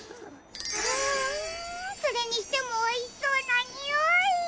それにしてもおいしそうなにおい！